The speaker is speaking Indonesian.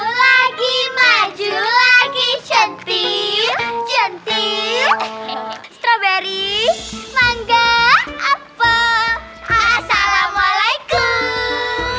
lagi lagi cantik cantik strawberry mangga apa assalamualaikum